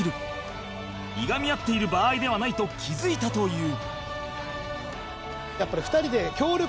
いがみ合っている場合ではないと気づいたという